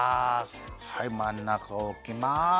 はいまんなかおきます！